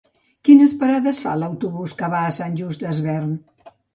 Quines parades fa l'autobús que va a Sant Just Desvern?